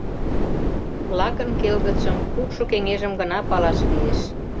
Лакын келгытшым кукшо кеҥежым гына палаш лиеш.